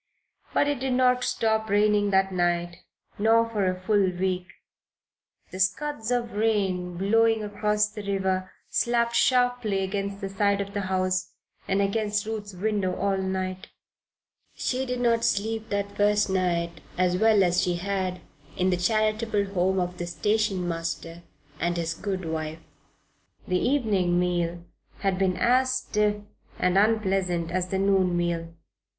But it did not stop raining that night, nor for a full week. The scuds of rain, blowing across the river, slapped sharply against the side of the house, and against Ruth's window all night. She did not sleep that first night as well as she had in the charitable home of the station master and his good wife. The evening meal had been as stiff and unpleasant as the noon meal.